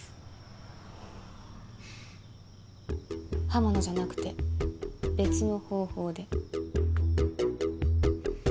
刃物じゃなくて別の方法で。